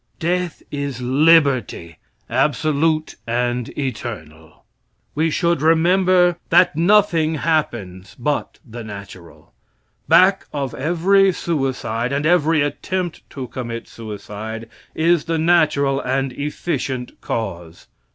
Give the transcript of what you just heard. Death is liberty, absolute and eternal. We should remember that nothing happens but the natural. Back of every suicide and every attempt to commit suicide is the natural and efficient cause.